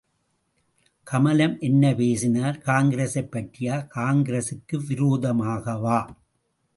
கமலம் என்ன பேசினார், காங்கிரசைப் பற்றியா, காங்கிரசுக்கு விரோதமாகவா?